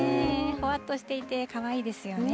ほわっとしていて、かわいいですよね。